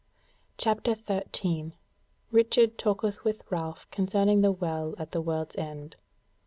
CHAPTER 13 Richard Talketh With Ralph Concerning the Well at the World's End.